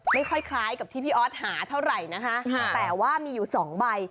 คล้ายกับที่พี่ออสหาเท่าไหร่นะคะแต่ว่ามีอยู่สองใบ